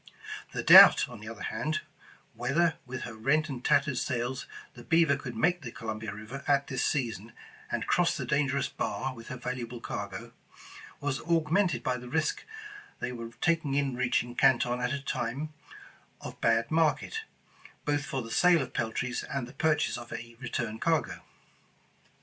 The doubt, on the other hand, — whether, with her rent and tattered sails, the Beaver could make the Columbia River at this season, and cross the dangerous bar with her valu able cargo, — was augmented by the risk they were tak ing in reaching Canton at a time of bad market, both 215 The Original John Jacob Astor for the sale of peltries, and the purchase of a return cargo.